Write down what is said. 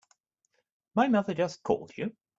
My mother just called you?